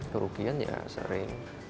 kerugian ya sering